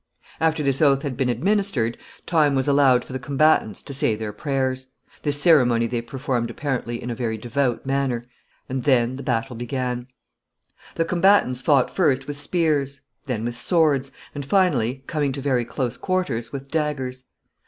After this oath had been administered, time was allowed for the combatants to say their prayers. This ceremony they performed apparently in a very devout manner, and then the battle began. [Sidenote: The battle.] The combatants fought first with spears, then with swords, and finally, coming to very close quarters, with daggers.